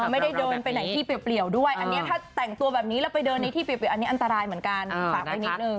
ไม่ได้เดินไปไหนที่เปรียวด้วยอันนี้ถ้าแต่งตัวแบบนี้แล้วไปเดินในที่อันนี้อันตรายเหมือนกันฝากไว้นิดนึง